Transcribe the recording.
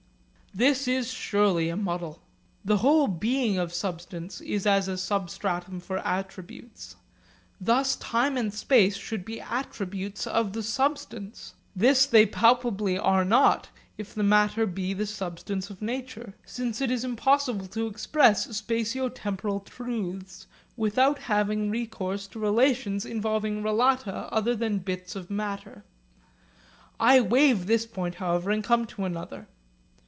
This is surely a muddle. The whole being of substance is as a substratum for attributes. Thus time and space should be attributes of the substance. This they palpably are not, if the matter be the substance of nature, since it is impossible to express spatio temporal truths without having recourse to relations involving relata other than bits of matter. I waive this point however, and come to another.